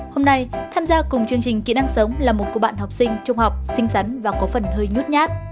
hôm nay tham gia cùng chương trình kỹ năng sống là một cô bạn học sinh trung học xinh xắn và có phần hơi nhút nhát